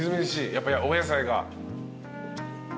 やっぱお野菜が。